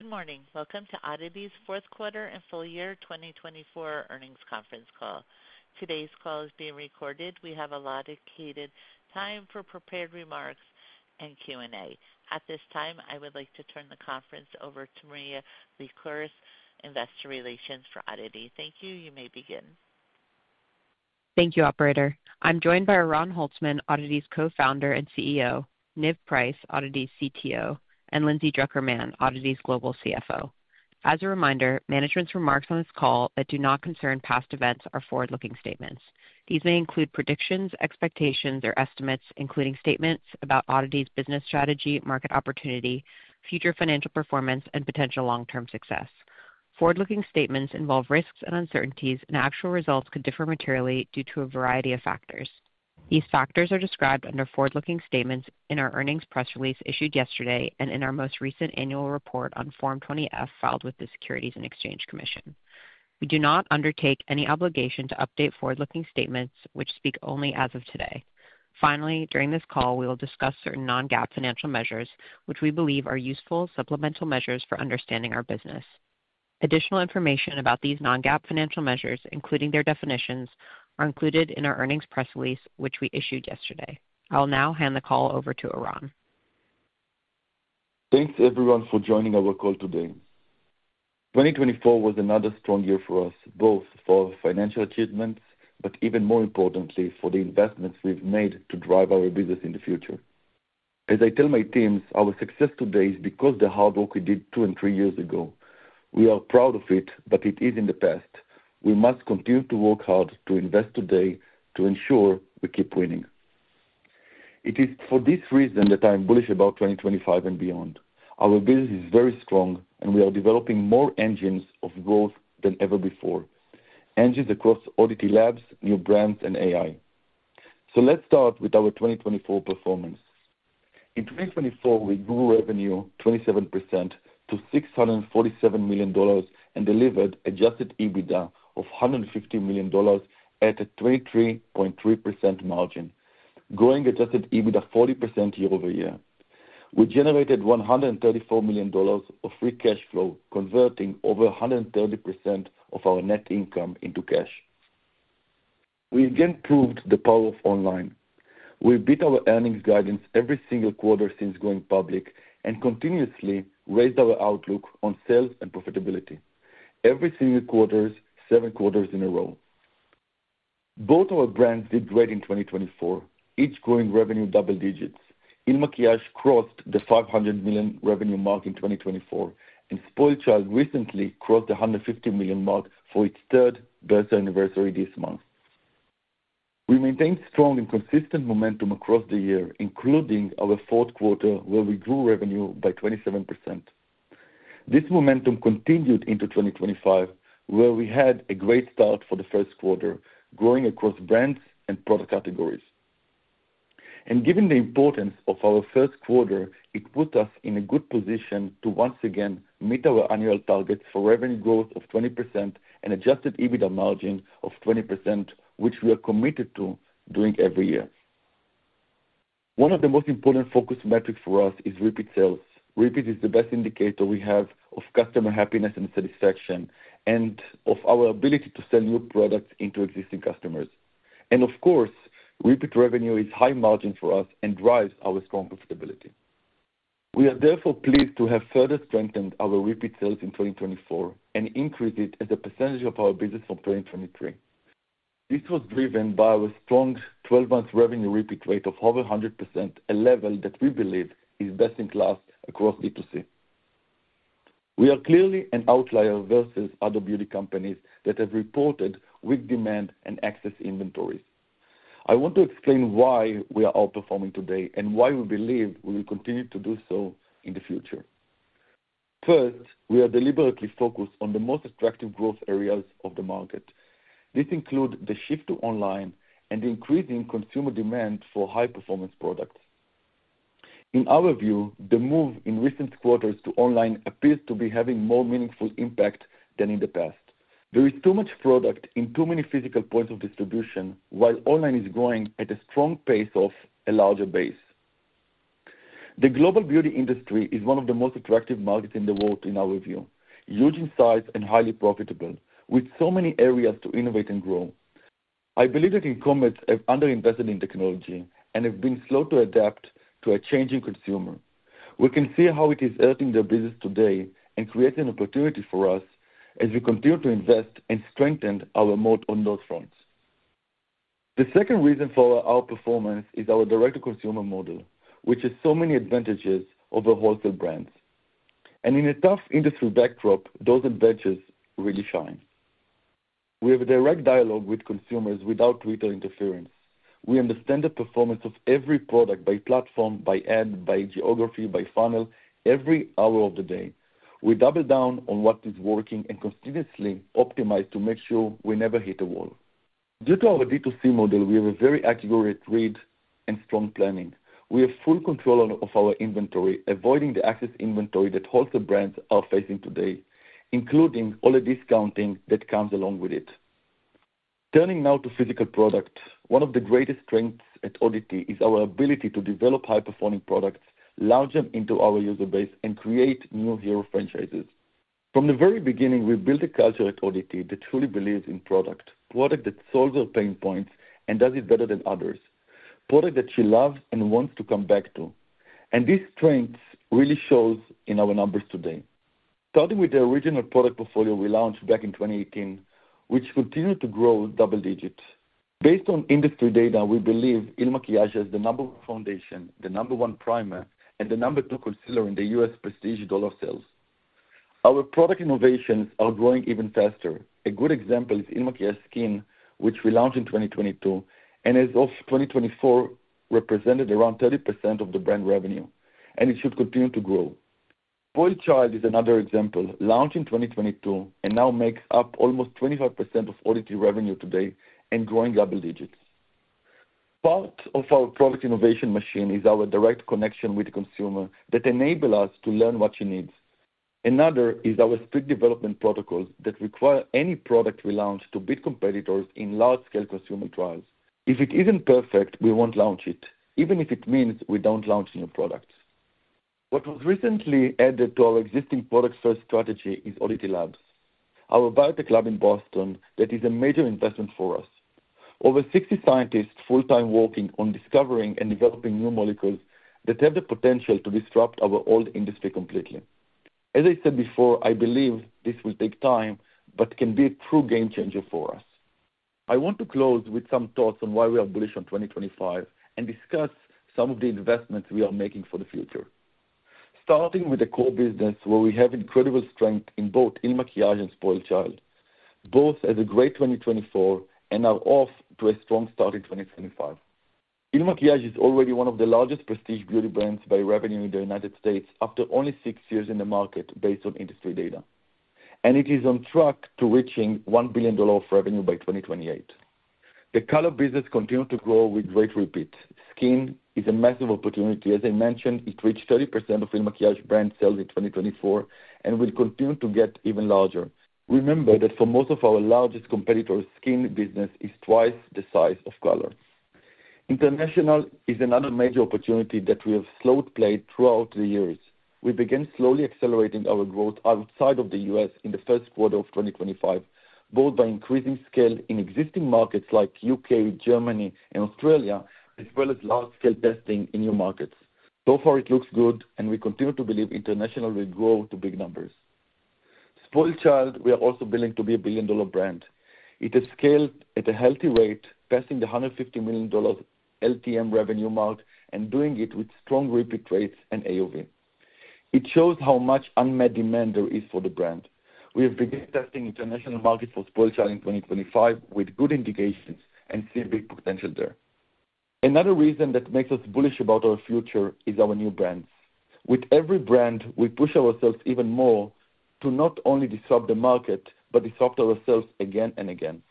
Good morning. Welcome to Oddity's Q4 and Full Year 2024 earnings conference call. Today's call is being recorded. We have an allocated time for prepared remarks and Q&A. At this time, I would like to turn the conference over to Maria Lycouris, Investor Relations for Oddity. Thank you. You may begin. Thank you, Operator. I'm joined by Oran Holtzman, Oddity's co-founder and CEO, Niv Price, Oddity's CTO, and Lindsay Drucker Mann, Oddity's global CFO. As a reminder, management's remarks on this call that do not concern past events are forward-looking statements. These may include predictions, expectations, or estimates, including statements about Oddity's business strategy, market opportunity, future financial performance, and potential long-term success. Forward-looking statements involve risks and uncertainties, and actual results could differ materially due to a variety of factors. These factors are described under forward-looking statements in our earnings press release issued yesterday and in our most recent annual report on Form 20-F filed with the Securities and Exchange Commission. We do not undertake any obligation to update forward-looking statements, which speak only as of today. Finally, during this call, we will discuss certain non-GAAP financial measures, which we believe are useful supplemental measures for understanding our business. Additional information about these non-GAAP financial measures, including their definitions, are included in our earnings press release, which we issued yesterday. I will now hand the call over to Oran. Thanks, everyone, for joining our call today. 2024 was another strong year for us, both for financial achievements, but even more importantly, for the investments we've made to drive our business in the future. As I tell my teams, our success today is because of the hard work we did two and three years ago. We are proud of it, but it is in the past. We must continue to work hard to invest today to ensure we keep winning. It is for this reason that I'm bullish about 2025 and beyond. Our business is very strong, and we are developing more engines of growth than ever before, engines across Oddity Labs, new brands, and AI. So let's start with our 2024 performance. In 2024, we grew revenue 27% to $647 million and delivered adjusted EBITDA of $150 million at a 23.3% margin, growing adjusted EBITDA 40% year-over-year. We generated $134 million of free cash flow, converting over 130% of our net income into cash. We again proved the power of online. We beat our earnings guidance every single quarter since going public and continuously raised our outlook on sales and profitability every single quarter, seven quarters in a row. Both our brands did great in 2024, each growing revenue double digits. Il Makiage crossed the $500 million revenue mark in 2024, and SpoiledChild recently crossed the $150 million mark for its third birthday anniversary this month. We maintained strong and consistent momentum across the year, including our Q4, where we grew revenue by 27%. This momentum continued into 2025, where we had a great start for Q1, growing across brands and product categories. Given the importance of our Q1, it put us in a good position to once again meet our annual targets for revenue growth of 20% and adjusted EBITDA margin of 20%, which we are committed to doing every year. One of the most important focus metrics for us is repeat sales. Repeat is the best indicator we have of customer happiness and satisfaction and of our ability to sell new products into existing customers. And of course, repeat revenue is high margin for us and drives our strong profitability. We are therefore pleased to have further strengthened our repeat sales in 2024 and increased it as a percentage of our business from 2023. This was driven by our strong 12-month revenue repeat rate of over 100%, a level that we believe is best in class across B2C. We are clearly an outlier versus other beauty companies that have reported weak demand and excess inventories. I want to explain why we are outperforming today and why we believe we will continue to do so in the future. First, we are deliberately focused on the most attractive growth areas of the market. This includes the shift to online and the increasing consumer demand for high-performance products. In our view, the move in recent quarters to online appears to be having more meaningful impact than in the past. There is too much product in too many physical points of distribution, while online is growing at a strong pace off a larger base. The global beauty industry is one of the most attractive markets in the world, in our view, huge in size and highly profitable, with so many areas to innovate and grow. I believe that incumbents have underinvested in technology and have been slow to adapt to a changing consumer. We can see how it is hurting their business today and creating an opportunity for us as we continue to invest and strengthen our moat on those fronts. The second reason for our outperformance is our direct-to-consumer model, which has so many advantages over wholesale brands, and in a tough industry backdrop, those advantages really shine. We have a direct dialogue with consumers without retail interference. We understand the performance of every product by platform, by ad, by geography, by funnel, every hour of the day. We double down on what is working and continuously optimize to make sure we never hit a wall. Due to our D2C model, we have a very accurate read and strong planning. We have full control of our inventory, avoiding the excess inventory that wholesale brands are facing today, including all the discounting that comes along with it. Turning now to physical products, one of the greatest strengths at Oddity is our ability to develop high-performing products, launch them into our user base, and create new hero franchises. From the very beginning, we've built a culture at Oddity that truly believes in product, product that solves our pain points and does it better than others, product that she loves and wants to come back to. And these strengths really show in our numbers today. Starting with the original product portfolio we launched back in 2018, which continued to grow double digits. Based on industry data, we believe Il Makiage has the number one foundation, the number one primer, and the number two concealer in the U.S. prestige dollar sales. Our product innovations are growing even faster. A good example is Il Makiage Skin, which we launched in 2022 and as of 2024 represented around 30% of the brand revenue, and it should continue to grow. SpoiledChild is another example, launched in 2022 and now makes up almost 25% of Oddity revenue today and growing double digits. Part of our product innovation machine is our direct connection with the consumer that enables us to learn what she needs. Another is our strict development protocols that require any product we launch to beat competitors in large-scale consumer trials. If it isn't perfect, we won't launch it, even if it means we don't launch new products. What was recently added to our existing product sourcing strategy is Oddity Labs, our biotech lab in Boston that is a major investment for us. Over 60 scientists full-time working on discovering and developing new molecules that have the potential to disrupt our old industry completely. As I said before, I believe this will take time but can be a true game changer for us. I want to close with some thoughts on why we are bullish on 2025 and discuss some of the investments we are making for the future, starting with a core business where we have incredible strength in both Il Makiage and SpoiledChild, both as a great 2024 and now off to a strong start in 2025. Il Makiage is already one of the largest prestige beauty brands by revenue in the United States after only six years in the market based on industry data, and it is on track to reaching $1 billion of revenue by 2028. The color business continues to grow with great repeat. Skin is a massive opportunity. As I mentioned, it reached 30% of Il Makiage brand sales in 2024 and will continue to get even larger. Remember that for most of our largest competitors, skin business is twice the size of color. International is another major opportunity that we have slowly played throughout the years. We began slowly accelerating our growth outside of the U.S. in Q1 of 2025, both by increasing scale in existing markets like the U.K., Germany, and Australia, as well as large-scale testing in new markets. So far, it looks good, and we continue to believe international will grow to big numbers. SpoiledChild, we are also building to be a billion-dollar brand. It has scaled at a healthy rate, passing the $150 million LTM revenue mark and doing it with strong repeat rates and AOV. It shows how much unmet demand there is for the brand. We have begun testing international markets for SpoiledChild in 2025 with good indications and seeing big potential there. Another reason that makes us bullish about our future is our new brands. With every brand, we push ourselves even more to not only disrupt the market but disrupt ourselves again and again.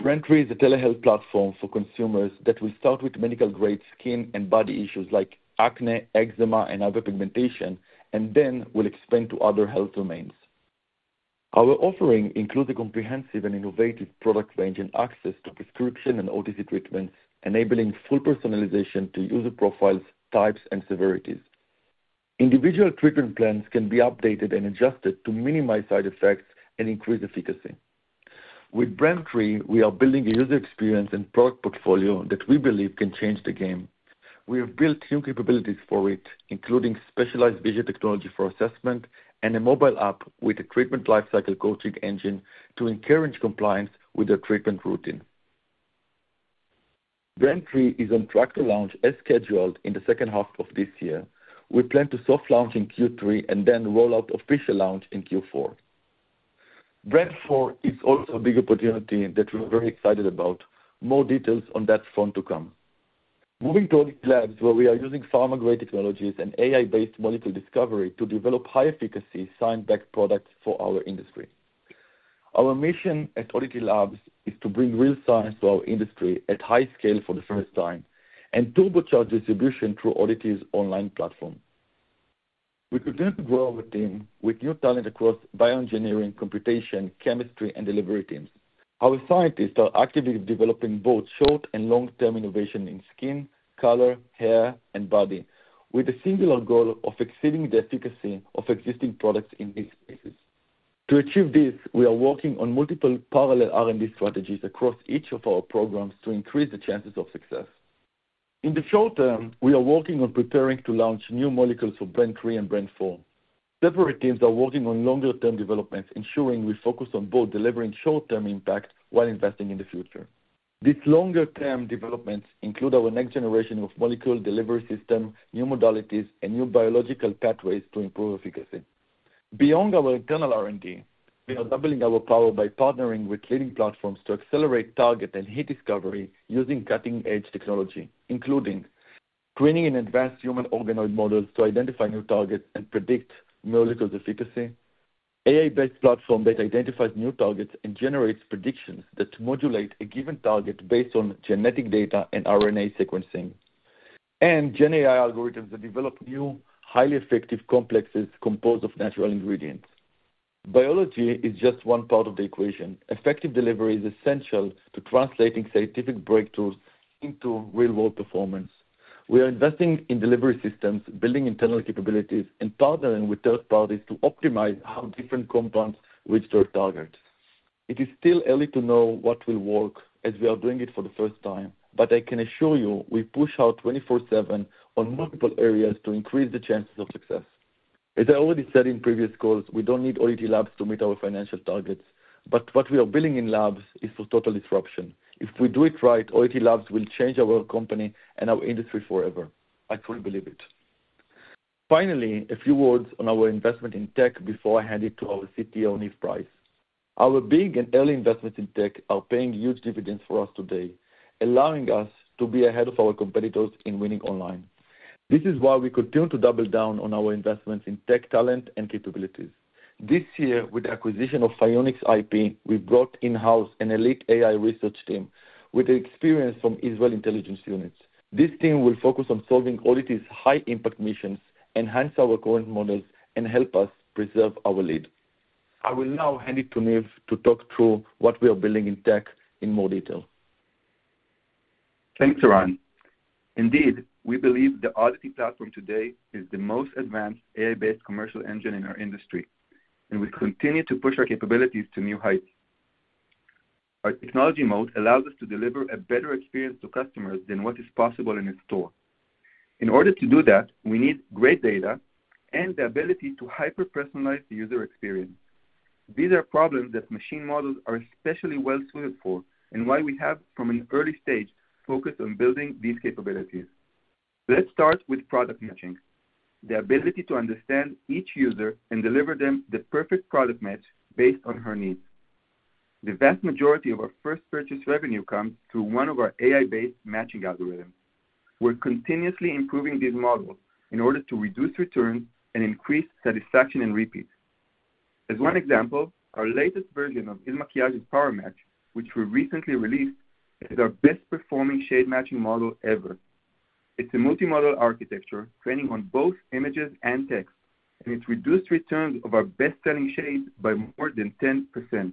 Brand 3 is a telehealth platform for consumers that will start with medical-grade skin and body issues like acne, eczema, and hyperpigmentation, and then will expand to other health domains. Our offering includes a comprehensive and innovative product range and access to prescription and OTC treatments, enabling full personalization to user profiles, types, and severities. Individual treatment plans can be updated and adjusted to minimize side effects and increase efficacy. With Brand 3, we are building a user experience and product portfolio that we believe can change the game. We have built new capabilities for it, including specialized vision technology for assessment and a mobile app with a treatment lifecycle coaching engine to encourage compliance with their treatment routine. Brand 3 is on track to launch as scheduled in the second half of this year. We plan to soft launch in Q3 and then roll out official launch in Q4. Brand 3 is also a big opportunity that we are very excited about. More details on that front to come. Moving to Oddity Labs, where we are using pharma-grade technologies and AI-based molecule discovery to develop high-efficacy science-backed products for our industry. Our mission at Oddity Labs is to bring real science to our industry at high scale for the first time and turbocharge distribution through Oddity's online platform. We continue to grow our team with new talent across bioengineering, computation, chemistry, and delivery teams. Our scientists are actively developing both short and long-term innovation in skin, color, hair, and body with a singular goal of exceeding the efficacy of existing products in these spaces. To achieve this, we are working on multiple parallel R&D strategies across each of our programs to increase the chances of success. In the short term, we are working on preparing to launch new molecules for Brand 3 and Brand 4. Separate teams are working on longer-term developments, ensuring we focus on both delivering short-term impact while investing in the future. These longer-term developments include our next generation of molecule delivery systems, new modalities, and new biological pathways to improve efficacy. Beyond our internal R&D, we are doubling our power by partnering with leading platforms to accelerate target and hit discovery using cutting-edge technology, including training in advanced human organoid models to identify new targets and predict molecules' efficacy, AI-based platforms that identify new targets and generate predictions that modulate a given target based on genetic data and RNA sequencing, and GenAI algorithms that develop new, highly effective complexes composed of natural ingredients. Biology is just one part of the equation. Effective delivery is essential to translating scientific breakthroughs into real-world performance. We are investing in delivery systems, building internal capabilities, and partnering with third parties to optimize how different compounds reach their targets. It is still early to know what will work as we are doing it for the first time, but I can assure you we push hard 24/7 on multiple areas to increase the chances of success. As I already said in previous calls, we don't need Oddity Labs to meet our financial targets, but what we are building in Labs is for total disruption. If we do it right, Oddity Labs will change our company and our industry forever. I truly believe it. Finally, a few words on our investment in tech before I hand it to our CTO, Niv Price. Our big and early investments in tech are paying huge dividends for us today, allowing us to be ahead of our competitors in winning online. This is why we continue to double down on our investments in tech talent and capabilities. This year, with the acquisition of Phionex IP, we brought in-house an elite AI research team with experience from Israeli Intelligence Units. This team will focus on solving Oddity's high-impact missions, enhance our current models, and help us preserve our lead. I will now hand it to Niv to talk through what we are building in tech in more detail. Thanks, Oran. Indeed, we believe the Oddity platform today is the most advanced AI-based commercial engine in our industry, and we continue to push our capabilities to new heights. Our technology model allows us to deliver a better experience to customers than what is possible in a store. In order to do that, we need great data and the ability to hyper-personalize the user experience. These are problems that machine models are especially well-suited for and why we have, from an early stage, focused on building these capabilities. Let's start with product matching, the ability to understand each user and deliver them the perfect product match based on her needs. The vast majority of our first-purchase revenue comes through one of our AI-based matching algorithms. We're continuously improving these models in order to reduce returns and increase satisfaction and repeat. As one example, our latest version of Il Makiage's PowerMatch, which we recently released, is our best-performing shade matching model ever. It's a multi-model architecture training on both images and text, and it's reduced returns of our best-selling shades by more than 10%.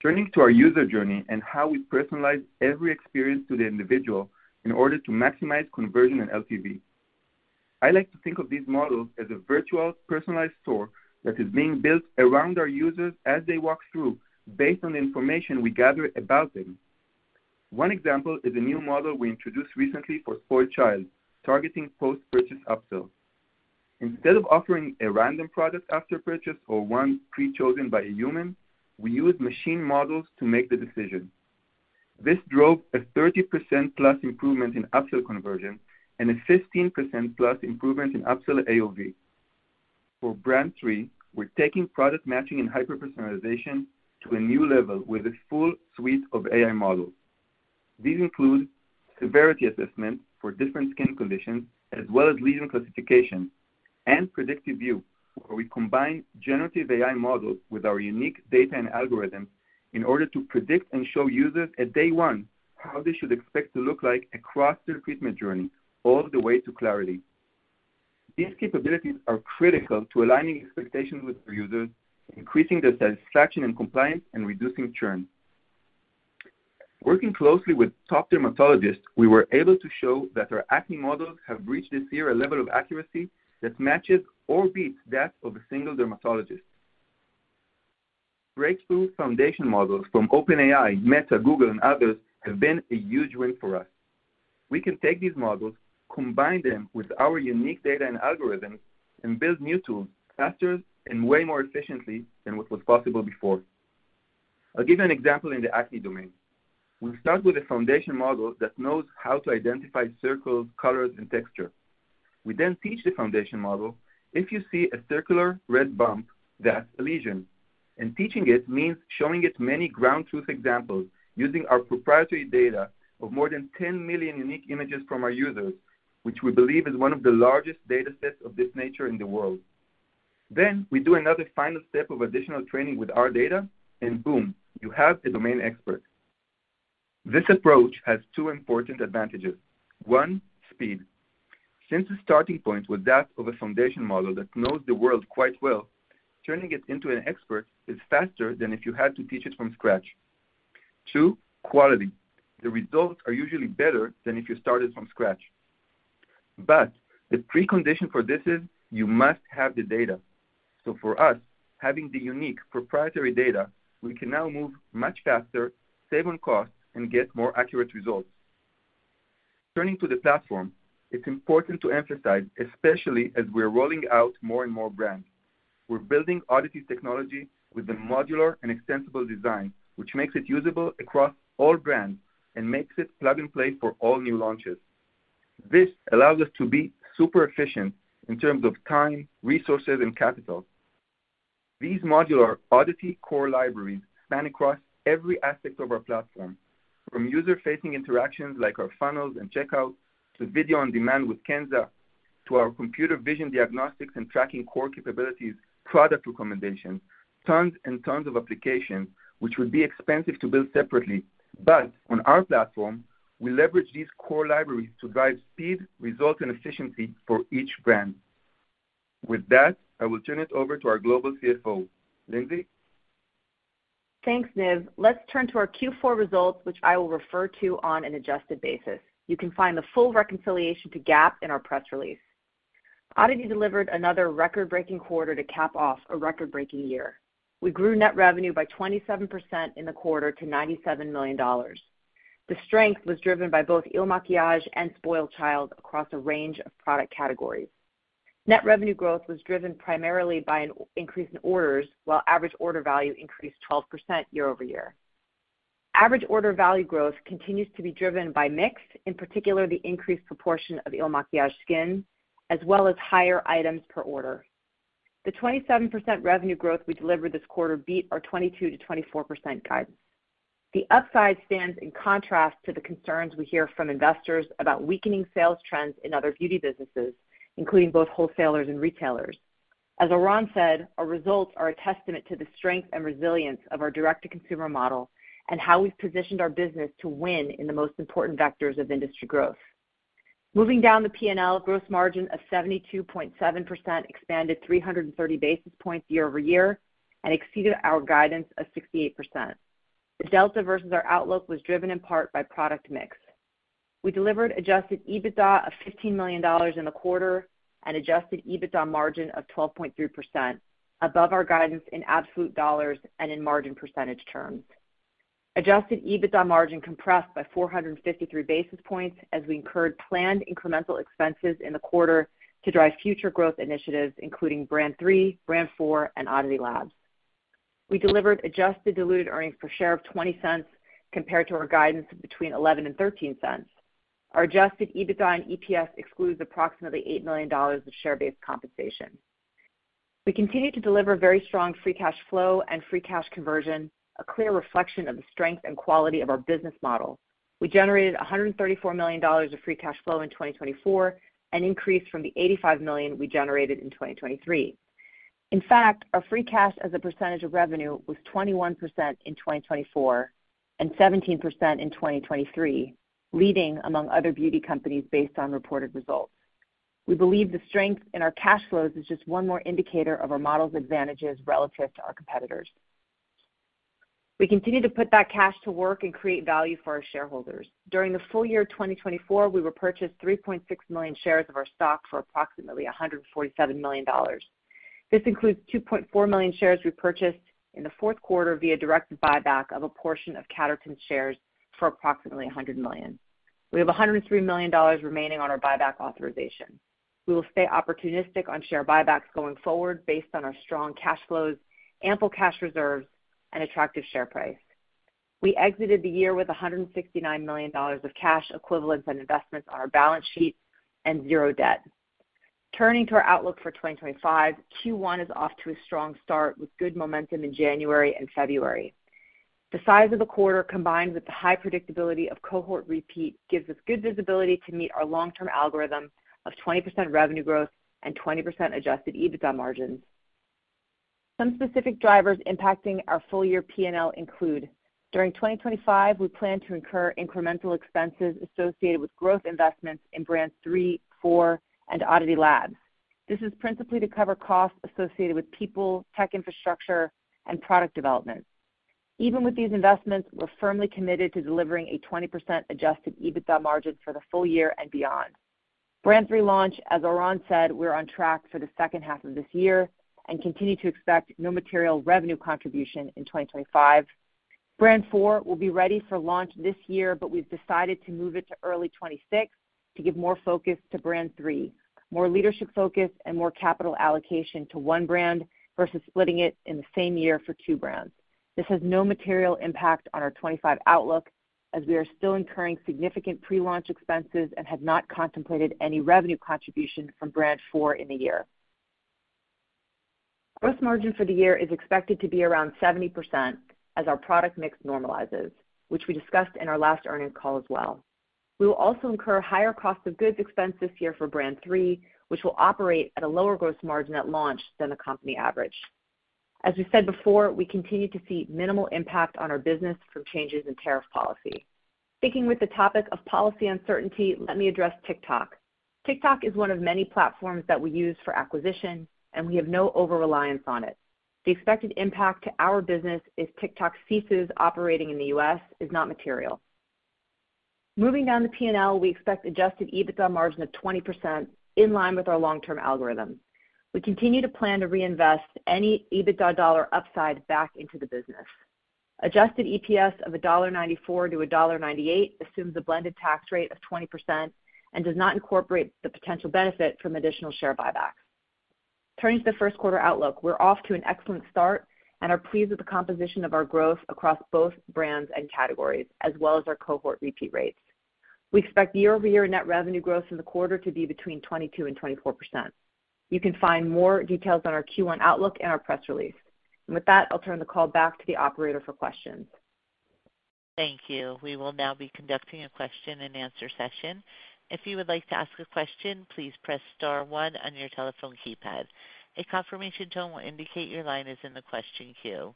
Turning to our user journey and how we personalize every experience to the individual in order to maximize conversion and LTV, I like to think of these models as a virtual personalized store that is being built around our users as they walk through, based on the information we gather about them. One example is a new model we introduced recently for SpoiledChild, targeting post-purchase upsell. Instead of offering a random product after purchase or one pre-chosen by a human, we use machine models to make the decision. This drove a 30%-plus improvement in upsell conversion and a 15%-plus improvement in upsell AOV. For Brand 3, we're taking product matching and hyper-personalization to a new level with a full suite of AI models. These include severity assessment for different skin conditions, as well as lesion classification, and predictive view, where we combine generative AI models with our unique data and algorithms in order to predict and show users at day one how they should expect to look like across their treatment journey, all the way to clarity. These capabilities are critical to aligning expectations with our users, increasing their satisfaction and compliance, and reducing churn. Working closely with top dermatologists, we were able to show that our acne models have reached this year a level of accuracy that matches or beats that of a single dermatologist. Breakthrough foundation models from OpenAI, Meta, Google, and others have been a huge win for us. We can take these models, combine them with our unique data and algorithms, and build new tools faster and way more efficiently than what was possible before. I'll give you an example in the acne domain. We start with a foundation model that knows how to identify circles, colors, and texture. We then teach the foundation model, "If you see a circular red bump, that's a lesion," and teaching it means showing it many ground truth examples using our proprietary data of more than 10 million unique images from our users, which we believe is one of the largest datasets of this nature in the world, then we do another final step of additional training with our data, and boom, you have a domain expert. This approach has two important advantages. One, speed. Since the starting point was that of a foundation model that knows the world quite well, turning it into an expert is faster than if you had to teach it from scratch. Two, quality. The results are usually better than if you started from scratch. But the precondition for this is you must have the data. So for us, having the unique proprietary data, we can now move much faster, save on costs, and get more accurate results. Turning to the platform, it's important to emphasize, especially as we're rolling out more and more brands, we're building Oddity's technology with a modular and extensible design, which makes it usable across all brands and makes it plug-and-play for all new launches. This allows us to be super efficient in terms of time, resources, and capital. These modular Oddity core libraries span across every aspect of our platform, from user-facing interactions like our funnels and checkouts to video on demand with Kenzza, to our computer vision diagnostics and tracking core capabilities, product recommendations, tons and tons of applications, which would be expensive to build separately. But on our platform, we leverage these core libraries to drive speed, result, and efficiency for each brand. With that, I will turn it over to our Global CFO, Lindsay. Thanks, Niv. Let's turn to our Q4 results, which I will refer to on an adjusted basis. You can find the full reconciliation to GAAP in our press release. Oddity delivered another record-breaking quarter to cap off a record-breaking year. We grew net revenue by 27% in the quarter to $97 million. The strength was driven by both Il Makiage and SpoiledChild across a range of product categories. Net revenue growth was driven primarily by an increase in orders, while average order value increased 12% year-over-year. Average order value growth continues to be driven by mix, in particular the increased proportion of Il Makiage Skin, as well as higher items per order. The 27% revenue growth we delivered this quarter beat our 22% to 24% guidance. The upside stands in contrast to the concerns we hear from investors about weakening sales trends in other beauty businesses, including both wholesalers and retailers. As Oran said, our results are a testament to the strength and resilience of our direct-to-consumer model and how we've positioned our business to win in the most important vectors of industry growth. Moving down the P&L, gross margin of 72.7% expanded 330 basis points year-over-year and exceeded our guidance of 68%. The delta versus our outlook was driven in part by product mix. We delivered adjusted EBITDA of $15 million in the quarter and adjusted EBITDA margin of 12.3%, above our guidance in absolute dollars and in margin percentage terms. Adjusted EBITDA margin compressed by 453 basis points as we incurred planned incremental expenses in the quarter to drive future growth initiatives, including Brand 3, Brand 4, and Oddity Labs. We delivered adjusted diluted earnings per share of $0.20 compared to our guidance between $0.11 and $0.13. Our adjusted EBITDA and EPS excludes approximately $8 million of share-based compensation. We continue to deliver very strong free cash flow and free cash conversion, a clear reflection of the strength and quality of our business model. We generated $134 million of free cash flow in 2024, an increase from the $85 million we generated in 2023. In fact, our free cash as a percentage of revenue was 21% in 2024 and 17% in 2023, leading among other beauty companies based on reported results. We believe the strength in our cash flows is just one more indicator of our model's advantages relative to our competitors. We continue to put that cash to work and create value for our shareholders. During the full year of 2024, we repurchased 3.6 million shares of our stock for approximately $147 million. This includes 2.4 million shares repurchased in Q4 via direct buyback of a portion of L Catterton's shares for approximately $100 million. We have $103 million remaining on our buyback authorization. We will stay opportunistic on share buybacks going forward based on our strong cash flows, ample cash reserves, and attractive share price. We exited the year with $169 million of cash equivalents and investments on our balance sheet and zero debt. Turning to our outlook for 2025, Q1 is off to a strong start with good momentum in January and February. The size of the quarter, combined with the high predictability of cohort repeat, gives us good visibility to meet our long-term algorithm of 20% revenue growth and 20% adjusted EBITDA margins. Some specific drivers impacting our full-year P&L include: during 2025, we plan to incur incremental expenses associated with growth investments in Brand 3, Brand 4, and Oddity Labs. This is principally to cover costs associated with people, tech infrastructure, and product development. Even with these investments, we're firmly committed to delivering a 20% adjusted EBITDA margin for the full year and beyond. 3 launch, as Oran said, we're on track for the second half of this year and continue to expect no material revenue contribution in 2025. Brand 4 will be ready for launch this year, but we've decided to move it to early 2026 to give more focus to Brand 3, more leadership focus, and more capital allocation to one brand versus splitting it in the same year for two brands. This has no material impact on our 2025 outlook, as we are still incurring significant pre-launch expenses and have not contemplated any revenue contribution from Brand 4 in the year. Gross margin for the year is expected to be around 70% as our product mix normalizes, which we discussed in our last earnings call as well. We will also incur higher cost of goods expense this year for Brand 3, which will operate at a lower gross margin at launch than the company average. As we said before, we continue to see minimal impact on our business from changes in tariff policy. Sticking with the topic of policy uncertainty, let me address TikTok. TikTok is one of many platforms that we use for acquisition, and we have no over-reliance on it. The expected impact to our business if TikTok ceases operating in the U.S. is not material. Moving down the P&L, we expect adjusted EBITDA margin of 20% in line with our long-term algorithm. We continue to plan to reinvest any EBITDA dollar upside back into the business. Adjusted EPS of $1.94 to $1.98 assumes a blended tax rate of 20% and does not incorporate the potential benefit from additional share buybacks. Turning to Q1 outlook, we're off to an excellent start and are pleased with the composition of our growth across both brands and categories, as well as our cohort repeat rates. We expect year-over-year net revenue growth in the quarter to be between 22% and 24%. You can find more details on our Q1 outlook in our press release. And with that, I'll turn the call back to the operator for questions. Thank you. We will now be conducting a question-and-answer session. If you would like to ask a question, please press star one on your telephone keypad. A confirmation tone will indicate your line is in the question queue.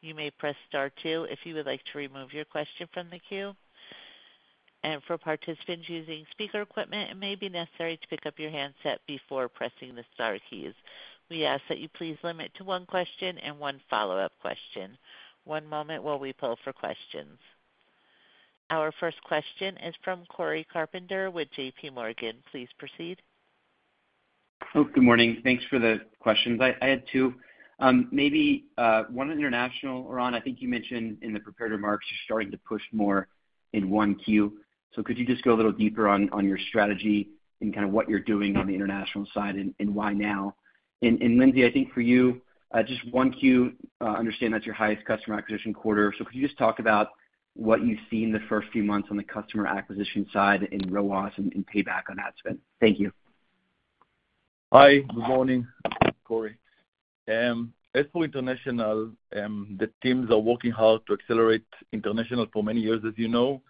You may press star two if you would like to remove your question from the queue. And for participants using speaker equipment, it may be necessary to pick up your handset before pressing the star keys. We ask that you please limit to one question and one follow-up question. One moment while we pull for questions. Our first question is from Cory Carpenter with J.P. Morgan. Please proceed. Good morning. Thanks for the questions. I had two. Maybe one international, Oran. I think you mentioned in the prepared remarks, you're starting to push more in Q1. So could you just go a little deeper on your strategy and kind of what you're doing on the international side and why now? And Lindsay, I think for you, just Q1. Understand that's your highest customer acquisition quarter. So could you just talk about what you've seen the first few months on the customer acquisition side in ROAS and payback on that spend? Thank you. Hi, good morning, Cory. At full international, the teams are working hard to accelerate international for many years, as you know.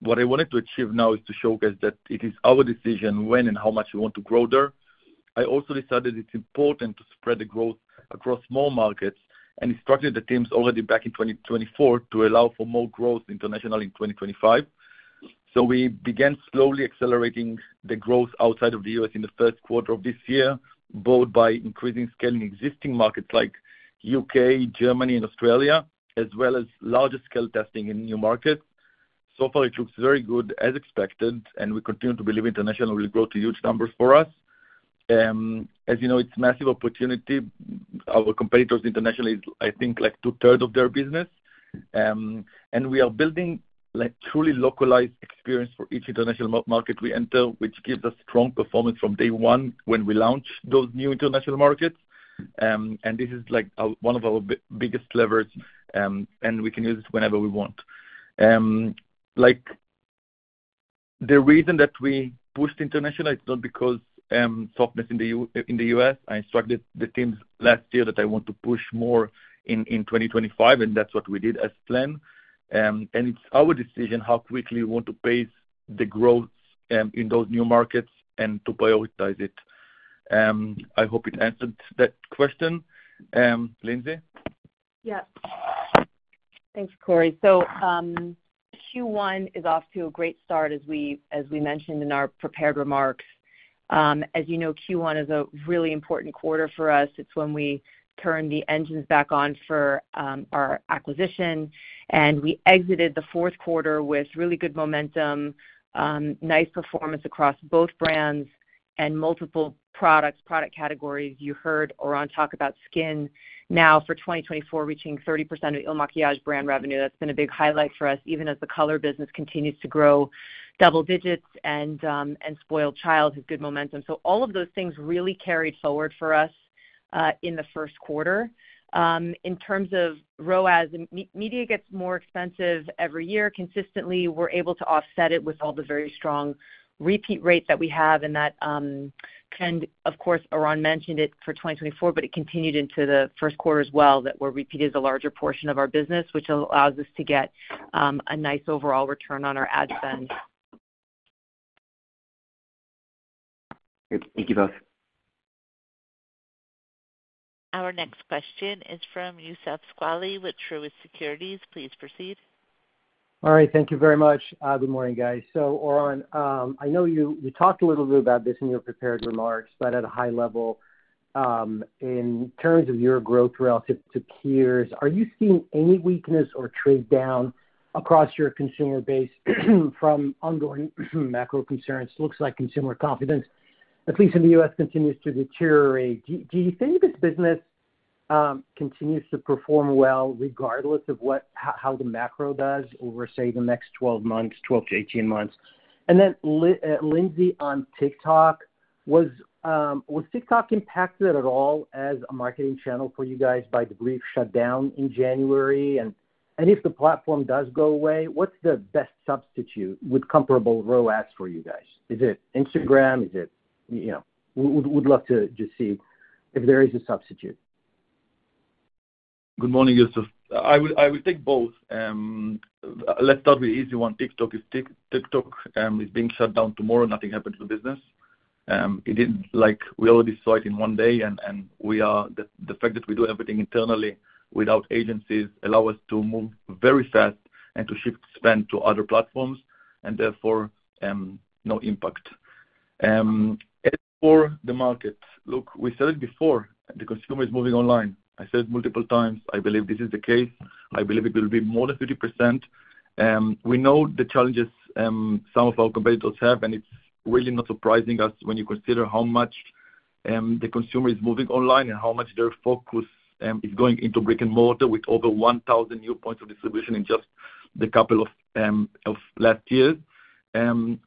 What I wanted to achieve now is to showcase that it is our decision when and how much we want to grow there. I also decided it's important to spread the growth across more markets and instructed the teams already back in 2024 to allow for more growth internationally in 2025. We began slowly accelerating the growth outside of the U.S. in Q1 of this year, both by increasing scaling existing markets like the U.K., Germany, and Australia, as well as larger scale testing in new markets. So far, it looks very good, as expected, and we continue to believe international will grow to huge numbers for us. As you know, it's a massive opportunity. Our competitors internationally is, I think 2/3 of their business. And we are building a truly localized experience for each international market we enter, which gives us strong performance from day one when we launch those new international markets. And this is one of our biggest levers, and we can use it whenever we want. The reason that we pushed international, it's not because of softness in the U.S. I instructed the teams last year that I want to push more in 2025, and that's what we did as planned. And it's our decision how quickly we want to pace the growth in those new markets and to prioritize it. I hope it answered that question. Lindsay? Yes. Thanks, Cory. So Q1 is off to a great start, as we mentioned in our prepared remarks. As you know, Q1 is a really important quarter for us. It's when we turn the engines back on for our acquisition. And we exited Q4 with really good momentum, nice performance across both brands and multiple product categories. You heard Oran talk about Skin now for 2024, reaching 30% of Il Makiage brand revenue. That's been a big highlight for us, even as the color business continues to grow double digits, and SpoiledChild has good momentum. So all of those things really carried forward for us in Q1. In terms of ROAS, media gets more expensive every year. Consistently, we're able to offset it with all the very strong repeat rates that we have. And that trend, of course, Oran mentioned it for 2024, but it continued into Q1 as well, that we're repeated as a larger portion of our business, which allows us to get a nice overall return on our ad spend. Thank you both. Our next question is from Youssef Squali with Truist Securities. Please proceed. All right. Thank you very much. Good morning, guys. So Oran, I know you talked a little bit about this in your prepared remarks, but at a high level, in terms of your growth relative to peers, are you seeing any weakness or trade down across your consumer base from ongoing macro concerns? It looks like consumer confidence, at least in the U.S., continues to deteriorate. Do you think this business continues to perform well regardless of how the macro does over, say, the next 12 months, 12 to 18 months? And then, Lindsay on TikTok, was TikTok impacted at all as a marketing channel for you guys by the brief shutdown in January? And if the platform does go away, what's the best substitute with comparable ROAS for you guys? Is it Instagram? Would love to just see if there is a substitute. Good morning, Youssef. I would think both. Let's start with the easy one. TikTok is being shut down tomorrow. Nothing happened to the business. We already saw it in one day, and the fact that we do everything internally without agencies allows us to move very fast and to shift spend to other platforms, and therefore, no impact. As for the market, look, we said it before, the consumer is moving online. I said it multiple times. I believe this is the case. I believe it will be more than 50%. We know the challenges some of our competitors have, and it's really not surprising us when you consider how much the consumer is moving online and how much their focus is going into brick and mortar with over 1,000 new points of distribution in just the couple of last years.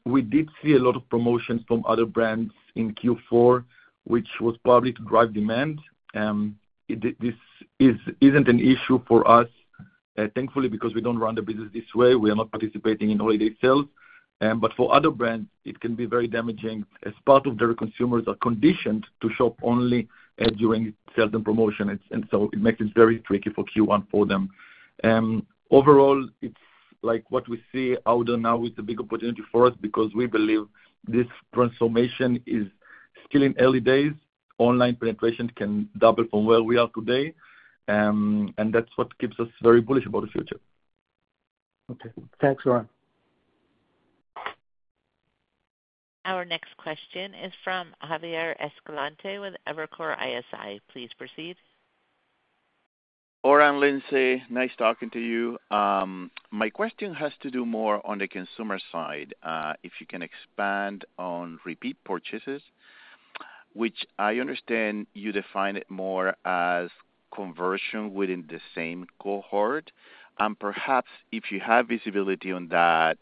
We did see a lot of promotions from other brands in Q4, which was probably to drive demand. This isn't an issue for us, thankfully, because we don't run the business this way. We are not participating in holiday sales. But for other brands, it can be very damaging as part of their consumers are conditioned to shop only during sales and promotion. And so it makes it very tricky for Q1 for them. Overall, it's like what we see out there now is a big opportunity for us because we believe this transformation is still in early days. Online penetration can double from where we are today. And that's what keeps us very bullish about the future. Okay. Thanks, Oran. Our next question is from Javier Escalante with Evercore ISI. Please proceed. Oran, Lindsay, nice talking to you. My question has to do more on the consumer side. If you can expand on repeat purchases, which I understand you define it more as conversion within the same cohort. And perhaps if you have visibility on that,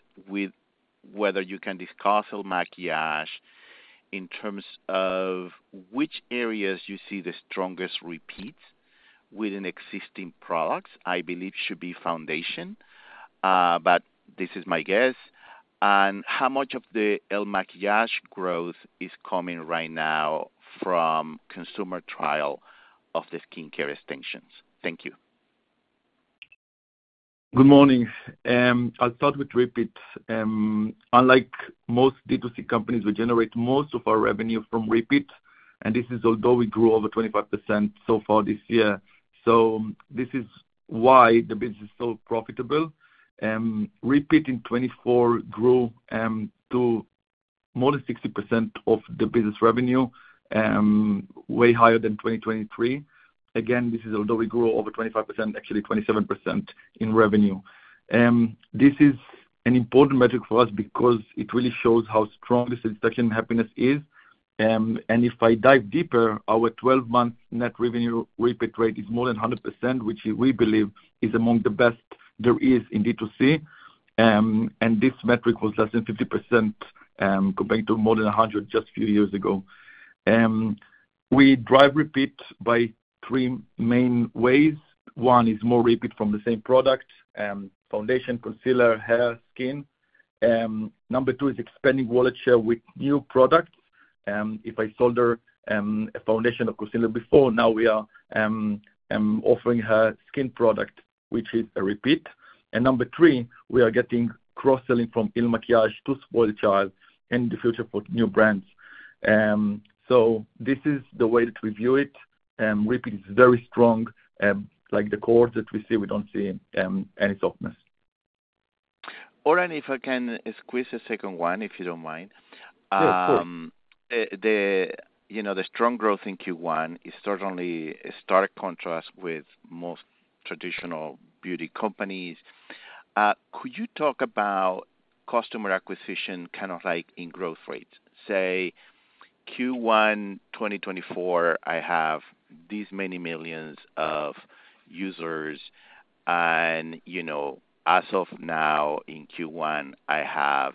whether you can discuss Il Makiage in terms of which areas you see the strongest repeats within existing products, I believe should be foundation. But this is my guess. And how much of the Il Makiage growth is coming right now from consumer trial of the skincare extensions? Thank you. Good morning. I'll start with repeats. Unlike most D2C companies, we generate most of our revenue from repeats. And this is although we grew over 25% so far this year. So this is why the business is so profitable. Repeat in 2024 grew to more than 60% of the business revenue, way higher than 2023. Again, this is although we grew over 25%, actually 27% in revenue. This is an important metric for us because it really shows how strong the satisfaction and happiness is. And if I dive deeper, our 12-month net revenue repeat rate is more than 100%, which we believe is among the best there is in D2C. And this metric was less than 50% compared to more than 100% just a few years ago. We drive repeat by three main ways. One is more repeat from the same product: foundation, concealer, hair, and skin. Number two is expanding wallet share with new products. If I sold her a foundation or concealer before, now we are offering her skin product, which is a repeat. And number three, we are getting cross-selling from Il Makiage to SpoiledChild and the future for new brands. So this is the way that we view it. Repeat is very strong. Like the cohort that we see, we don't see any softness. Oran, if I can squeeze a second one, if you don't mind. Yes, sure. The strong growth in Q1 is certainly a stark contrast with most traditional beauty companies. Could you talk about customer acquisition kind of like in growth rates? Say Q1 2024, I have these many millions of users. And as of now in Q1, I have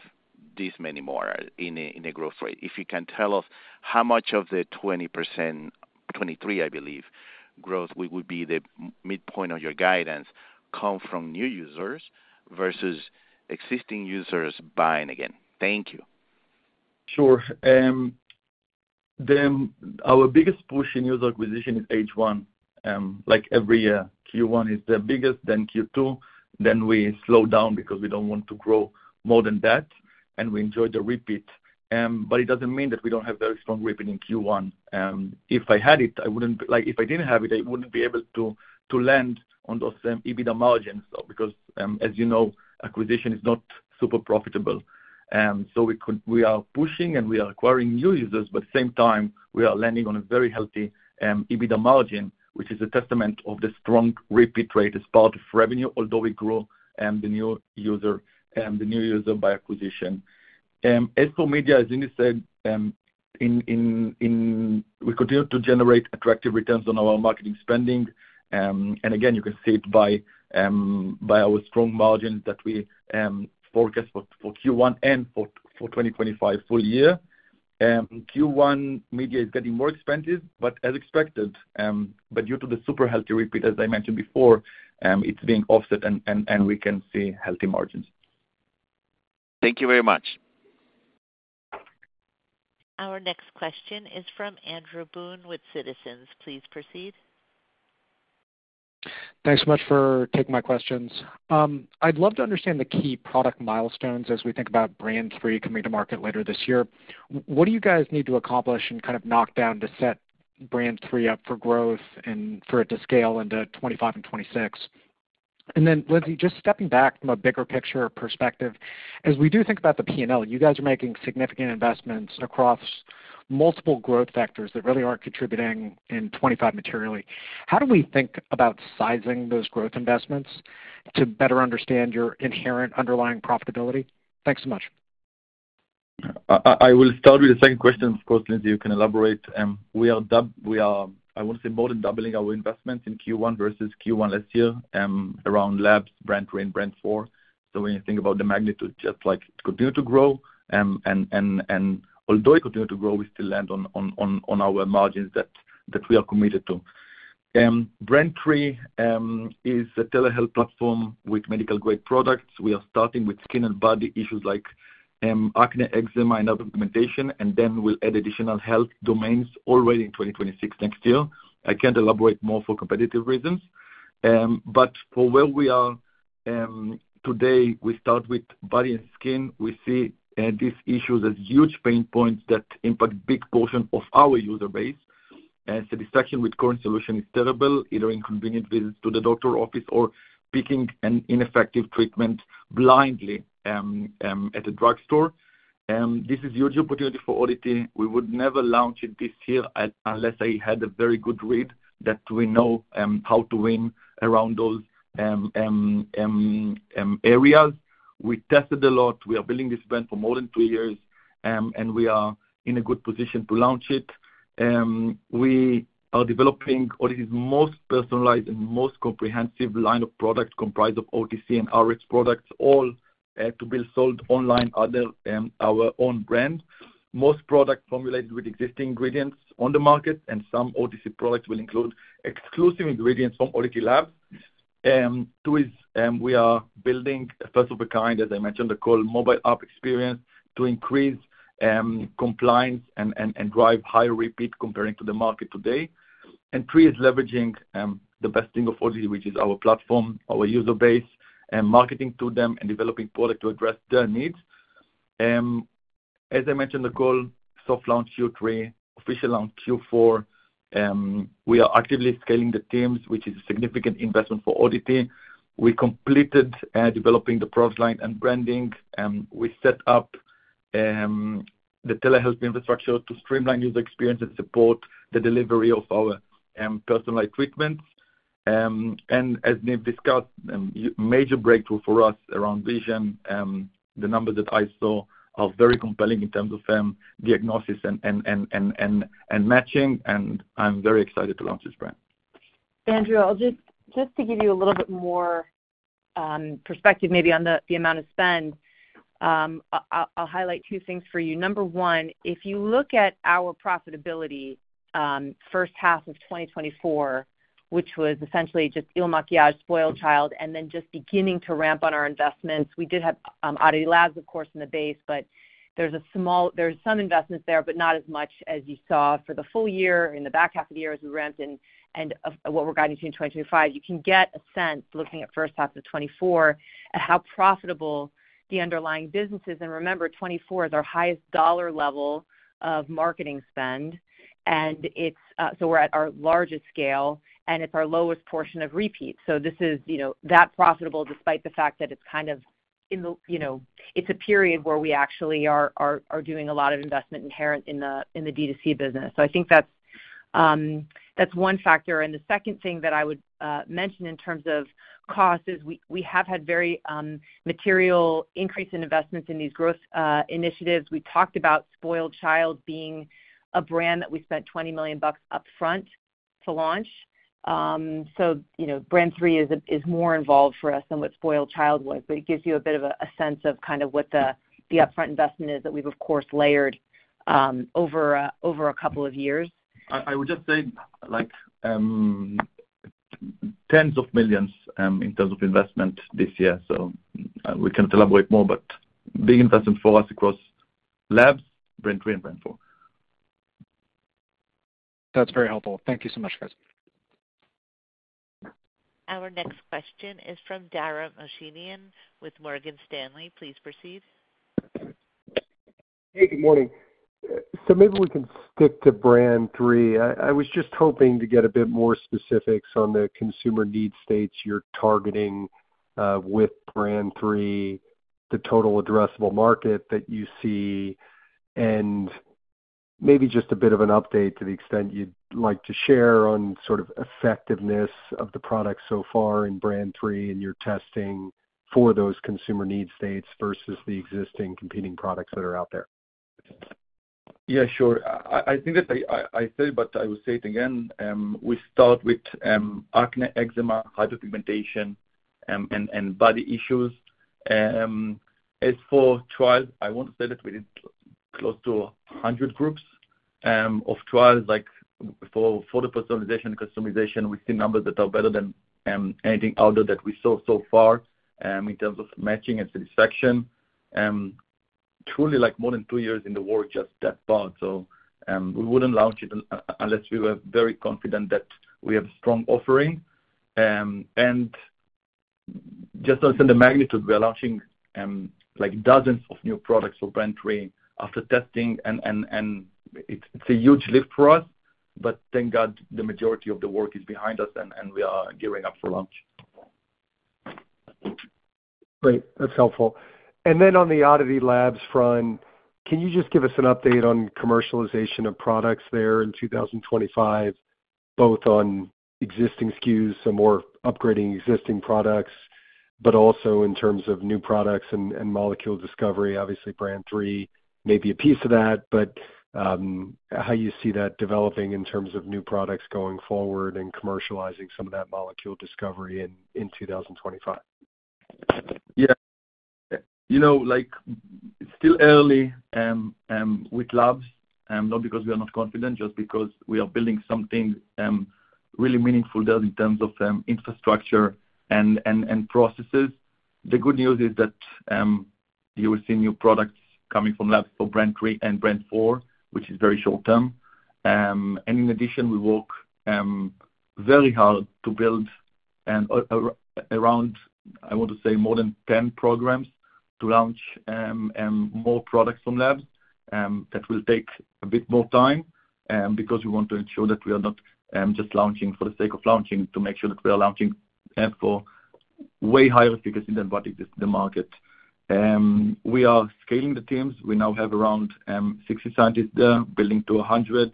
these many more in a growth rate. If you can tell us how much of the 20% to 23%, I believe, growth would be the midpoint of your guidance come from new users versus existing users buying again? Thank you. Sure. Our biggest push in user acquisition is H1. Like every year, Q1 is the biggest, then Q2. Then we slow down because we don't want to grow more than that. And we enjoy the repeat. But it doesn't mean that we don't have very strong repeat in Q1. If I had it, I wouldn't be like if I didn't have it, I wouldn't be able to land on those EBITDA margins. Because, as you know, acquisition is not super profitable. So we are pushing and we are acquiring new users, but at the same time, we are landing on a very healthy EBITDA margin, which is a testament of the strong repeat rate as part of revenue, although we grow the new user by acquisition. As for media, as Lindsay said, we continue to generate attractive returns on our marketing spending. And again, you can see it by our strong margins that we forecast for Q1 and for 2025 full year. Q1 media is getting more expensive, but as expected. But due to the super healthy repeat, as I mentioned before, it's being offset and we can see healthy margins. Thank you very much. Our next question is from Andrew Boone with Citizens. Please proceed. Thanks so much for taking my questions. I'd love to understand the key product milestones as we think about Brand 3 coming to market later this year. What do you guys need to accomplish and kind of knock down to set Brand 3 up for growth and for it to scale into 2025 and 2026? And then, Lindsay, just stepping back from a bigger picture perspective, as we do think about the P&L, you guys are making significant investments across multiple growth factors that really aren't contributing in 2025 materially. How do we think about sizing those growth investments to better understand your inherent underlying profitability? Thanks so much. I will start with the second question. Of course, Lindsay, you can elaborate. We are, I want to say, more than doubling our investments in Q1 versus Q1 last year around Labs, Brand 3, and Brand 4. So when you think about the magnitude, just like continue to grow. And although we continue to grow, we still land on our margins that we are committed to. Brand 3 is a telehealth platform with medical-grade products. We are starting with skin and body issues like acne, eczema, and other pigmentation. Then we'll add additional health domains already in 2026 next year. I can't elaborate more for competitive reasons. But for where we are today, we start with body and skin. We see these issues as huge pain points that impact a big portion of our user base. And satisfaction with current solution is terrible, either inconvenient visits to the doctor office or picking an ineffective treatment blindly at a drugstore. This is a huge opportunity for Oddity. We would never launch it this year unless I had a very good read that we know how to win around those areas. We tested a lot. We are building this brand for more than two years, and we are in a good position to launch it. We are developing Oddity's most personalized and most comprehensive line of products comprised of OTC and Rx products, all to be sold online under our own brand. Most products formulated with existing ingredients on the market, and some OTC products will include exclusive ingredients from Oddity Labs. Two, we are building a first-of-a-kind, as I mentioned, telehealth mobile app experience to increase compliance and drive higher repeat compared to the market today. Three is leveraging the best thing of Oddity, which is our platform, our user base, and marketing to them and developing products to address their needs. As I mentioned, the soft launch Q3, official launch Q4. We are actively scaling the teams, which is a significant investment for Oddity. We completed developing the product line and branding. We set up the telehealth infrastructure to streamline user experience and support the delivery of our personalized treatments. And as we've discussed, major breakthrough for us around vision. The numbers that I saw are very compelling in terms of diagnosis and matching. And I'm very excited to launch this brand. Andrew, just to give you a little bit more perspective maybe on the amount of spend, I'll highlight two things for you. Number one, if you look at our profitability first half of 2024, which was essentially just Il Makiage, SpoiledChild, and then just beginning to ramp on our investments. We did have Oddity Labs, of course, in the base, but there's some investments there, but not as much as you saw for the full year in the back half of the year as we ramped in and what we're guiding to in 2025. You can get a sense looking at first half of 2024 at how profitable the underlying business is. And remember, 2024 is our highest dollar level of marketing spend. And so we're at our largest scale, and it's our lowest portion of repeat. So this is that profitable despite the fact that it's kind of it's a period where we actually are doing a lot of investment inherent in the D2C business. So I think that's one factor. And the second thing that I would mention in terms of cost is we have had very material increase in investments in these growth initiatives. We talked about SpoiledChild being a brand that we spent $20 million upfront to launch. So Brand 3 is more involved for us than what SpoiledChild was, but it gives you a bit of a sense of kind of what the upfront investment is that we've, of course, layered over a couple of years. I would just say tens of millions in terms of investment this year. So we can't elaborate more, but big investment for us across Labs, Brand 3, and Brand 4. That's very helpful. Thank you so much, guys. Our next question is from Dara Mohsenian with Morgan Stanley. Please proceed. Hey, good morning. So maybe we can stick to Brand 3. I was just hoping to get a bit more specifics on the consumer need states you're targeting with Brand 3, the total addressable market that you see, and maybe just a bit of an update to the extent you'd like to share on sort of effectiveness of the product so far in Brand 3 and your testing for those consumer need states versus the existing competing products that are out there. Yeah, sure. I think that I said it, but I will say it again. We start with acne, eczema, hyperpigmentation, and body issues. As for trials, I want to say that we did close to 100 groups of trials. For the personalization and customization, we see numbers that are better than anything out there that we saw so far in terms of matching and satisfaction. Truly, like more than two years in the works just that far. So we wouldn't launch it unless we were very confident that we have a strong offering. And just understand the magnitude. We are launching dozens of new products for Brand 3 after testing, and it's a huge lift for us. But thank God the majority of the work is behind us, and we are gearing up for launch. Great. That's helpful. And then on the Oddity Labs front, can you just give us an update on commercialization of products there in 2025, both on existing SKUs, so more upgrading existing products, but also in terms of new products and molecule discovery, obviously Brand 3, maybe a piece of that, but how you see that developing in terms of new products going forward and commercializing some of that molecule discovery in 2025? Yeah. Still early with Labs, not because we are not confident, just because we are building something really meaningful there in terms of infrastructure and processes. The good news is that you will see new products coming from Labs for Brand 3 and Brand 4, which is very short term, and in addition, we work very hard to build around, I want to say, more than 10 programs to launch more products from Labs that will take a bit more time because we want to ensure that we are not just launching for the sake of launching to make sure that we are launching for way higher efficacy than what exists in the market. We are scaling the teams. We now have around 60 scientists there, building to 100.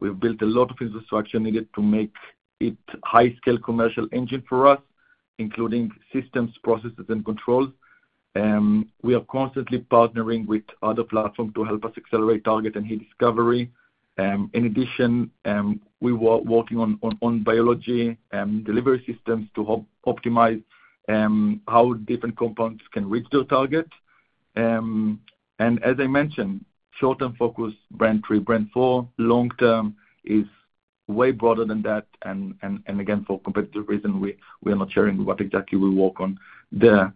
We've built a lot of infrastructure needed to make it a high-scale commercial engine for us, including systems, processes, and controls. We are constantly partnering with other platforms to help us accelerate target and hit discovery. In addition, we are working on biology delivery systems to help optimize how different compounds can reach their target. And as I mentioned, short-term focus, Brand 3, Brand 4. Long-term is way broader than that. And again, for competitive reasons, we are not sharing what exactly we work on there.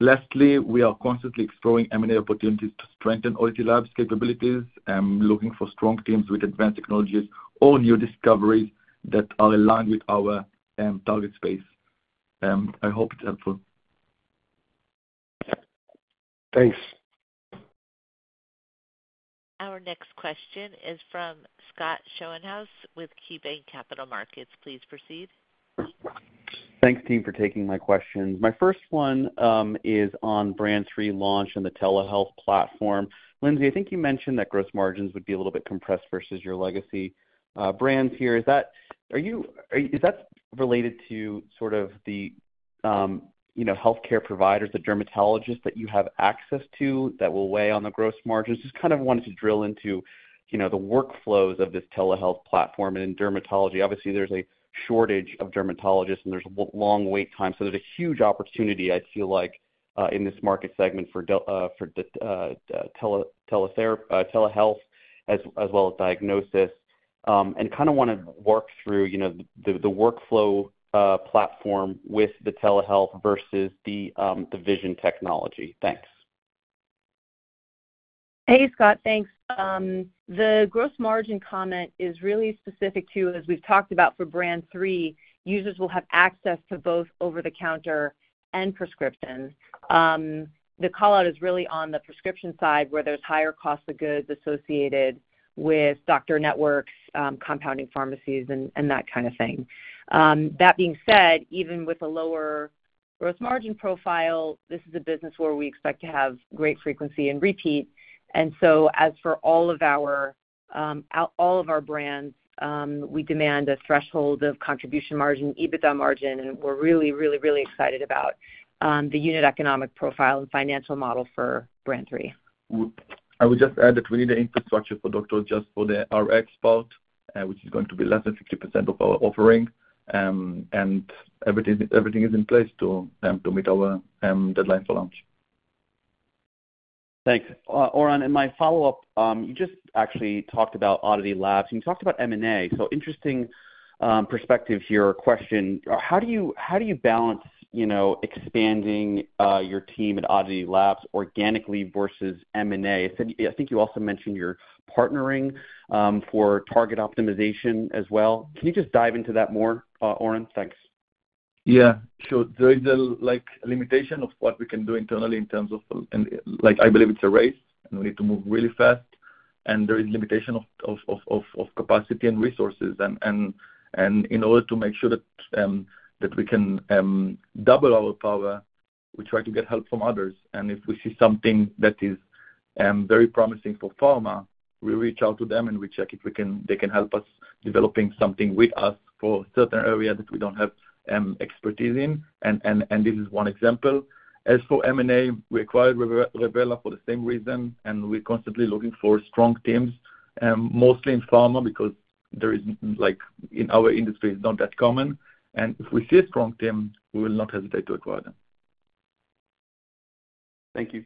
Lastly, we are constantly exploring M&A opportunities to strengthen Oddity Labs' capabilities, looking for strong teams with advanced technologies or new discoveries that are aligned with our target space. I hope it's helpful. Thanks. Our next question is from Scott Schoenhaus with KeyBanc Capital Markets. Please proceed. Thanks, team, for taking my questions. My first one is on Brand 3 launch and the telehealth platform. Lindsay, I think you mentioned that gross margins would be a little bit compressed versus your legacy brands here. Is that related to sort of the healthcare providers, the dermatologists that you have access to that will weigh on the gross margins? Just kind of wanted to drill into the workflows of this telehealth platform and in dermatology. Obviously, there's a shortage of dermatologists, and there's long wait times. So there's a huge opportunity, I feel like, in this market segment for telehealth as well as diagnosis. And kind of want to work through the workflow platform with the telehealth versus the vision technology. Thanks. Hey, Scott, thanks. The gross margin comment is really specific to, as we've talked about for Brand 3, users will have access to both over-the-counter and prescription. The call-out is really on the prescription side where there's higher cost of goods associated with doctor networks, compounding pharmacies, and that kind of thing. That being said, even with a lower gross margin profile, this is a business where we expect to have great frequency and repeat. And so as for all of our brands, we demand a threshold of contribution margin, EBITDA margin, and we're really, really, really excited about the unit economic profile and financial model for Brand 3. I would just add that we need the infrastructure for doctors just for the Rx part, which is going to be less than 50% of our offering. And everything is in place to meet our deadline for launch. Thanks. Oran, in my follow-up, you just actually talked about Oddity Labs, and you talked about M&A. So interesting perspective here, question. How do you balance expanding your team at Oddity Labs organically versus M&A? I think you also mentioned you're partnering for target optimization as well. Can you just dive into that more, Oran? Thanks. Yeah. Sure. There is a limitation of what we can do internally in terms of, I believe it's a race, and we need to move really fast. And there is limitation of capacity and resources. And in order to make sure that we can double our power, we try to get help from others. And if we see something that is very promising for pharma, we reach out to them and we check if they can help us developing something with us for a certain area that we don't have expertise in. This is one example. As for M&A, we acquired Revela for the same reason, and we're constantly looking for strong teams, mostly in pharma because in our industry, it's not that common. And if we see a strong team, we will not hesitate to acquire them. Thank you.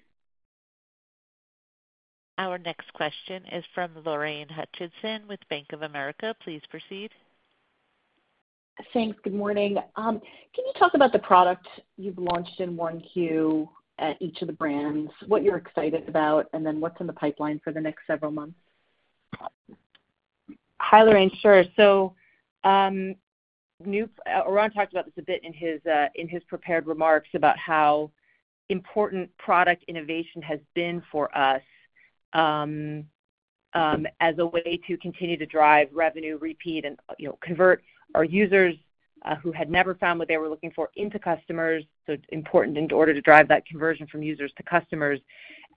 Our next question is from Lorraine Hutchinson with Bank of America. Please proceed. Thanks. Good morning. Can you talk about the product you've launched in Q1 at each of the brands, what you're excited about, and then what's in the pipeline for the next several months? Hi Lorraine. Sure. So Oran talked about this a bit in his prepared remarks about how important product innovation has been for us as a way to continue to drive revenue, repeat, and convert our users who had never found what they were looking for into customers. So important in order to drive that conversion from users to customers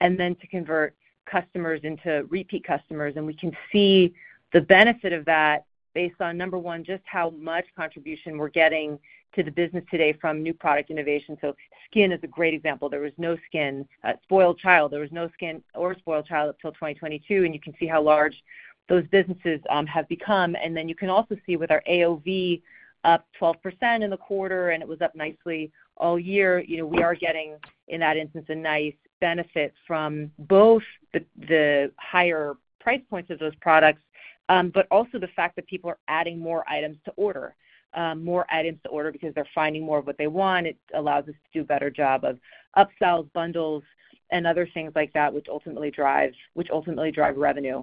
and then to convert customers into repeat customers. And we can see the benefit of that based on, number one, just how much contribution we're getting to the business today from new product innovation. So Skin is a great example. There was no Skin. SpoiledChild, there was no Skin or SpoiledChild until 2022, and you can see how large those businesses have become. And then you can also see with our AOV up 12% in the quarter, and it was up nicely all year. We are getting, in that instance, a nice benefit from both the higher price points of those products, but also the fact that people are adding more items to order because they're finding more of what they want. It allows us to do a better job of upsells, bundles, and other things like that, which ultimately drive revenue.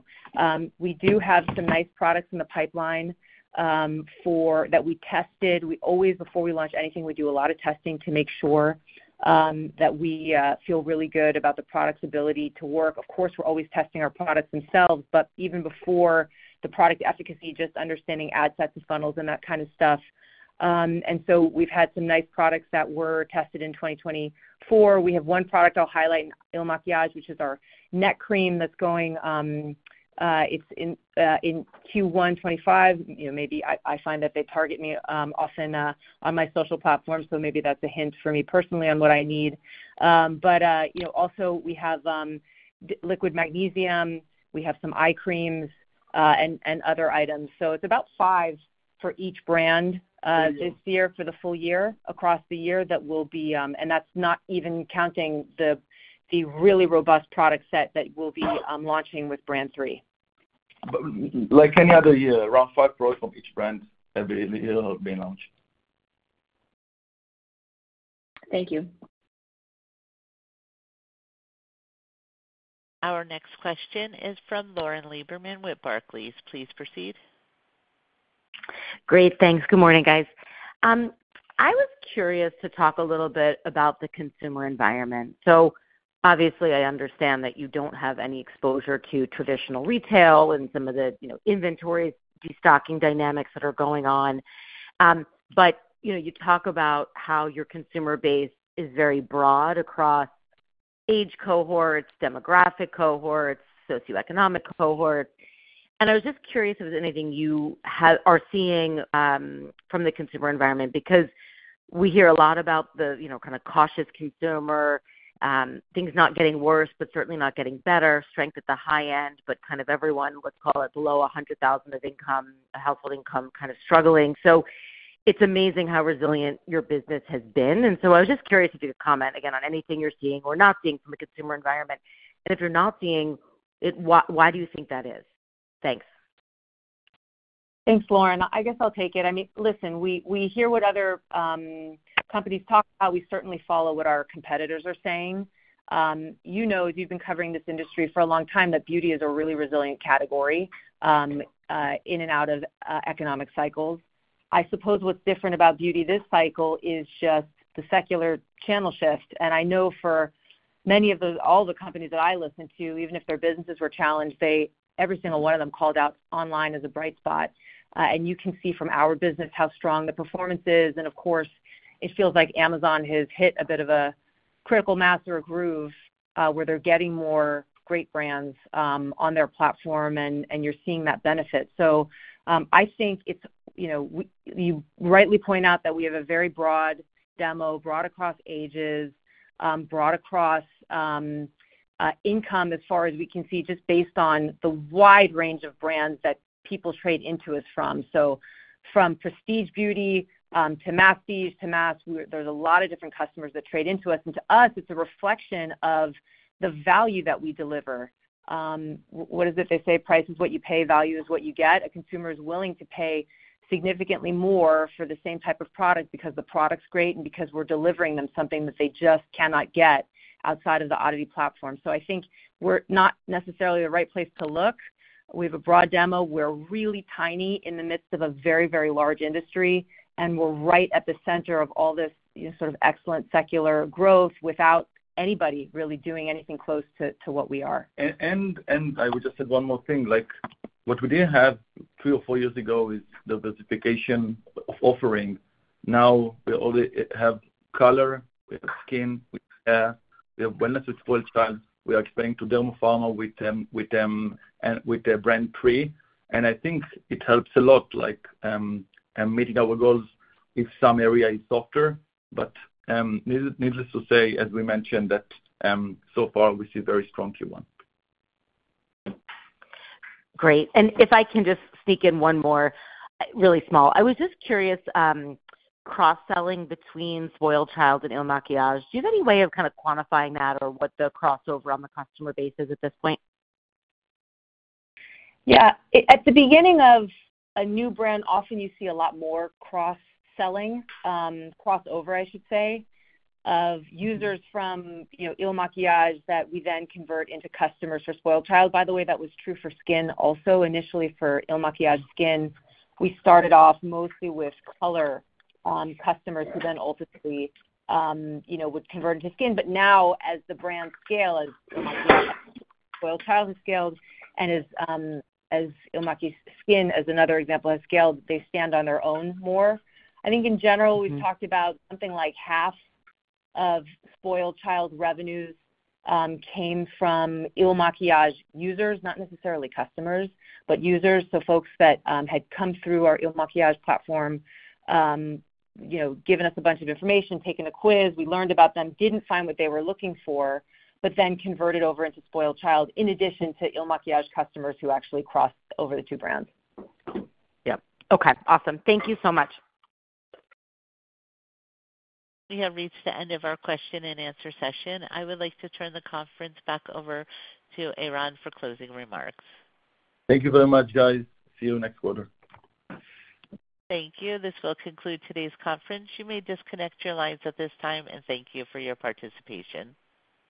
We do have some nice products in the pipeline that we tested. Before we launch anything, we do a lot of testing to make sure that we feel really good about the product's ability to work. Of course, we're always testing our products themselves, but even before the product efficacy, just understanding ad sets and funnels and that kind of stuff. And so we've had some nice products that were tested in 2024. We have one product I'll highlight in Il Makiage, which is our neck cream that's going in Q1 2025. Maybe I find that they target me often on my social platform, so maybe that's a hint for me personally on what I need. But also, we Liquid Collagen. we have some eye creams and other items. So it's about five for each brand this year for the full year across the year that will be, and that's not even counting the really robust product set that we'll be launching with Brand 3. Like any other year, around five products from each brand will be launched. Thank you. Our next question is from Lauren Lieberman with Barclays. Please proceed. Great. Thanks. Good morning, guys. I was curious to talk a little bit about the consumer environment. So obviously, I understand that you don't have any exposure to traditional retail and some of the inventory destocking dynamics that are going on. But you talk about how your consumer base is very broad across age cohorts, demographic cohorts, socioeconomic cohorts. And I was just curious if there's anything you are seeing from the consumer environment because we hear a lot about the kind of cautious consumer, things not getting worse, but certainly not getting better, strength at the high end, but kind of everyone, let's call it below $100,000 of income, household income kind of struggling. So it's amazing how resilient your business has been. And so I was just curious if you could comment again on anything you're seeing or not seeing from the consumer environment. And if you're not seeing it, why do you think that is? Thanks. Thanks, Lauren. I guess I'll take it. I mean, listen, we hear what other companies talk about. We certainly follow what our competitors are saying. You know, as you've been covering this industry for a long time, that beauty is a really resilient category in and out of economic cycles. I suppose what's different about beauty this cycle is just the secular channel shift. And I know for many, if not all, the companies that I listen to, even if their businesses were challenged, every single one of them called out online as a bright spot. And you can see from our business how strong the performance is. Of course, it feels like Amazon has hit a bit of a critical mass or a groove where they're getting more great brands on their platform, and you're seeing that benefit. So I think you rightly point out that we have a very broad demo, broad across ages, broad across income as far as we can see just based on the wide range of brands that people trade into us from. So from prestige beauty to mass beauty to mass, there's a lot of different customers that trade into us. And to us, it's a reflection of the value that we deliver. What is it they say? Price is what you pay. Value is what you get. A consumer is willing to pay significantly more for the same type of product because the product's great and because we're delivering them something that they just cannot get outside of the Oddity platform. I think we're not necessarily the right place to look. We have a broad demo. We're really tiny in the midst of a very, very large industry, and we're right at the center of all this sort of excellent secular growth without anybody really doing anything close to what we are. I would just add one more thing. What we did have three or four years ago is the diversification of offering. Now, we have color, we have skin, we have hair, we have wellness with SpoiledChild. We are expanding to derma-pharma with them and with their Brand 3. And I think it helps a lot in meeting our goals if some area is softer. But needless to say, as we mentioned, that so far we see very strong Q1. Great. And if I can just sneak in one more really small, I was just curious cross-selling between SpoiledChild and Il Makiage. Do you have any way of kind of quantifying that or what the crossover on the customer base is at this point? Yeah. At the beginning of a new brand, often you see a lot more cross-selling, crossover, I should say, of users from Il Makiage that we then convert into customers for SpoiledChild. By the way, that was true for Skin also. Initially for Il Makiage Skin, we started off mostly with color customers who then ultimately would convert into skin. But now, as the brand scales, Il Makiage and SpoiledChild has scaled, and Il Makiage Skin, as another example, has scaled, they stand on their own more. I think in general, we've talked about something like half of SpoiledChild's revenues came from Il Makiage users, not necessarily customers, but users, so folks that had come through our Il Makiage platform, given us a bunch of information, taken a quiz, we learned about them, didn't find what they were looking for, but then converted over into SpoiledChild in addition to Il Makiage customers who actually crossed over the two brands. Okay. Awesome. Thank you so much. We have reached the end of our question and answer session. I would like to turn the conference back over to Oran for closing remarks. Thank you very much, guys. See you next quarter. Thank you. This will conclude today's conference. You may disconnect your lines at this time, and thank you for your participation.